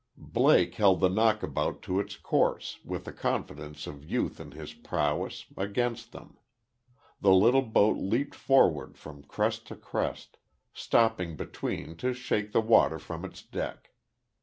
Blake held the knockabout to its course, with the confidence of youth in his prowess, against them. The little boat leaped forward from crest to crest, stopping between to shake the water from its deck.